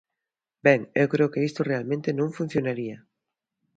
Ben, eu creo que isto realmente non funcionaría.